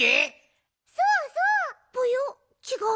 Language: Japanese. そうそう！